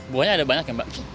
buahnya ada banyak ya mbak